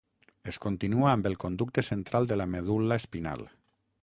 Es continua amb el conducte central de la medul·la espinal.